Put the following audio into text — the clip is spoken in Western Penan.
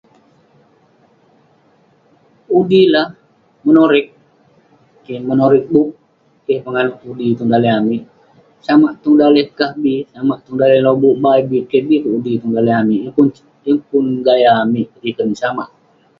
undi lah..mengorek, keh, mengorek bup ,keh penganouk undi tong daleh amik.samak tong daleh kah bi..samak tong daleh lobuk bai bi..keh bi keh undi tong daleh amik, yeng pun gaya amik petikern, samak..